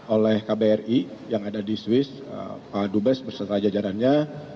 oleh kbri yang ada di swiss pak dubes berserta jajarannya